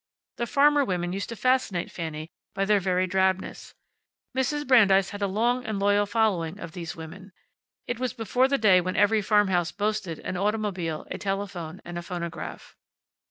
The farmer women used to fascinate Fanny by their very drabness. Mrs. Brandeis had a long and loyal following of these women. It was before the day when every farmhouse boasted an automobile, a telephone, and a phonograph.